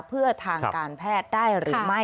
เพื่อทางการแพทย์ได้หรือไม่